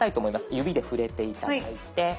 指で触れて頂いて。